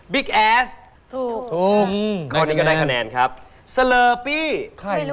บิ๊กแอสถูกตรงครอนี้ก็ได้คะแนนครับสะเลอปี้ใครวะ